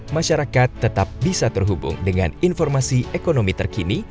masyarakat tetap bisa terhubung dengan informasi ekonomi terkini